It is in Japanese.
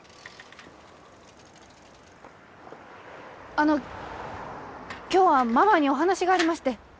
あの今日はママにお話がありまして。